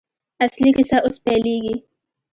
اصلي کیسه اوس پیلېږي.